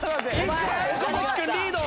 岡君リード。